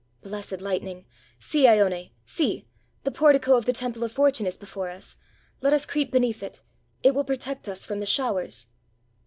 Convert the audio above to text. "Blessed lightning! See, lone, — see! the portico of the temple of Fortune is before us. Let us creep be neath it; it will protect us from the showers."